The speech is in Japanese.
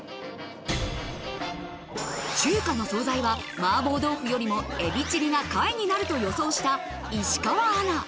中華の惣菜は麻婆豆腐よりもエビチリが下位になると予想した石川アナ